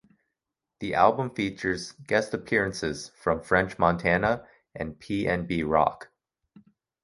The album features guest appearances from French Montana and PnB Rock.